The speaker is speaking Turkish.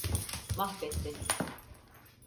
Mahvettin.